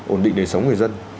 ổn định đề sống người dân